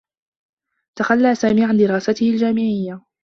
تخلّى سامي عن دراسته الجامعيّة.